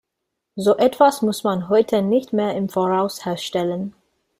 So etwas muss man heute nicht mehr im Voraus herstellen.